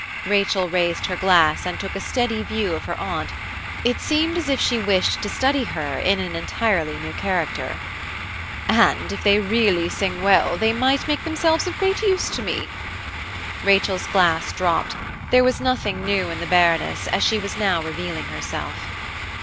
Rachel raised her glass and took a steady view of her Aunt; it seemed as if she wished to study her in an entirely new character. "And if they really sing well, they might make themselves of great use to me." Rachel's glass dropped–there was nothing new in the Baroness as she was now revealing herself.